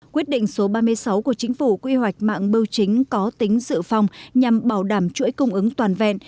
quyết định số ba mươi sáu của chính phủ quy hoạch mạng bưu chính có tính dự phòng nhằm bảo đảm chuỗi cung ứng toàn vẹn